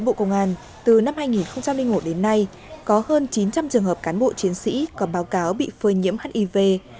bộ công an từ năm hai nghìn một đến nay có hơn chín trăm linh trường hợp cán bộ chiến sĩ có báo cáo bị phơi nhiễm hiv